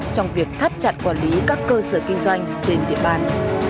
trong việc thắt chặt quản lý các cơ sở kinh doanh trên địa bàn